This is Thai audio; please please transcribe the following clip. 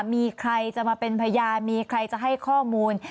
มีใครจะมาเป็นพยานมีใครจะให้ข้อมูล